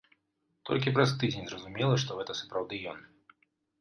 Толькі праз тыдзень зразумела, што гэта сапраўды ён.